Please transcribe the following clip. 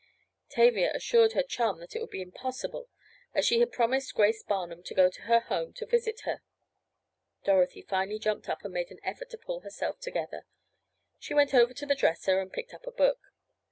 Tavia assured her chum that it would be impossible as she had promised Grace Barnum to go to her home to visit her. Dorothy finally jumped up and made an effort to pull herself together. She went over to the dresser and picked up a book.